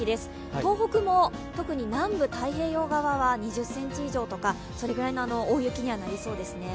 東北も特に南部・太平洋側は２０ｃｍ以上とか、それくらいの大雪にはなりそうですね。